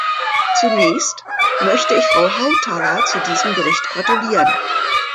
Zunächst möchte ich Frau Hautala zu diesem Bericht gratulieren.